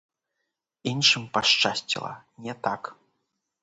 Іншым пашчасціла не так.